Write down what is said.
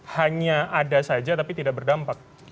hanya ada saja tapi tidak berdampak